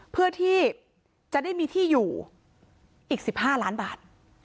เพื่อที่จะได้มีที่อยู่อีก๑๕ล้านบาท